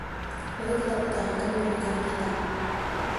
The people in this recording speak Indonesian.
Mari kita pertahankan pernikahan kita.